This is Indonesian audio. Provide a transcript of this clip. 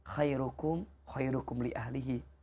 khairukum khairukum li ahlihi